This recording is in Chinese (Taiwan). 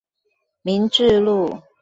民治路